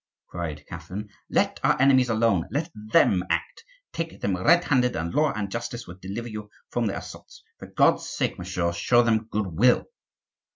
cried Catherine; "let our enemies alone; let them act; take them red handed, and law and justice will deliver you from their assaults. For God's sake, monsieur, show them good will."